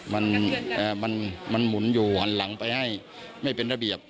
มันมันหมุนอยู่หันหลังไปให้ไม่เป็นระเบียบ